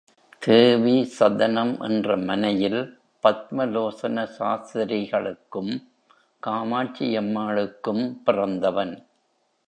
தேவிஸதனம் என்ற மனையில், பத்மலோசன சாஸ்திரிகளுக்கும் காமாட்சியம்மாளுக்கும் பிறந்தவன்.